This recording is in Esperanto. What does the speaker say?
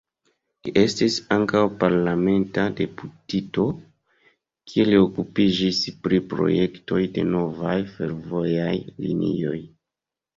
Li estis ankaŭ parlamenta deputito, kie li okupiĝis pri projektoj de novaj fervojaj linioj.